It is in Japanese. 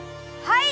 はい！